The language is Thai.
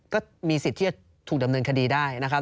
ก็มีสิทธิ์ที่จะถูกดำเนินคดีได้นะครับ